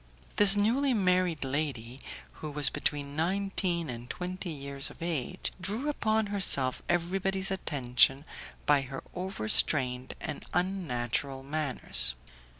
This newly married lady, who was between nineteen and twenty years of age, drew upon herself everybody's attention by her over strained and unnatural manners.